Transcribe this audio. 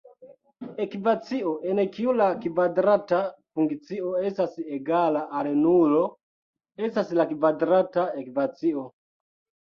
Ekvacio en kiu la kvadrata funkcio estas egala al nulo estas la kvadrata ekvacio.